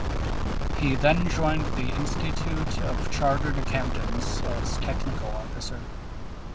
He then joined the Institute of Chartered Accountants as Technical Officer.